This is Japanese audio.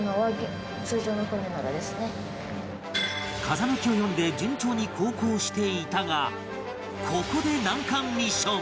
風向きを読んで順調に航行していたがここで難関ミッション！